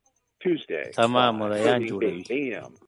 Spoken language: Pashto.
تمه مریان جوړوي.